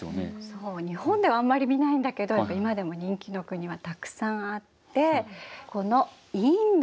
そう日本ではあんまり見ないんだけどやっぱり今でも人気の国はたくさんあってこのインド。